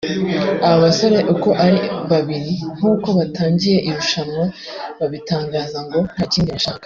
Aba basore uko ari babiri nkuko batangiye irushanwa babitangaza ngo ntakindi bashaka